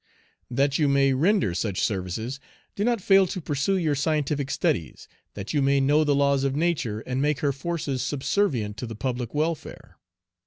That you may render such services, do not fail to pursue your scientific studies, that you may know the laws of nature, and make her forces subservient to the public welfare.